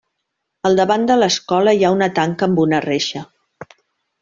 Al davant de l'escola hi ha una tanca amb una reixa.